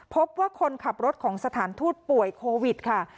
พบว่าคนขับรถของสถานทูตป่วยโควิดค่ะ